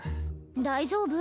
大丈夫？